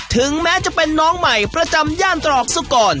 ถึงแม้จะเป็นน้องใหม่ประจำย่านตรอกสุกร